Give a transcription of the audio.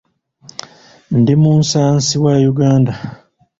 Ndi munnsansi wa Uganda.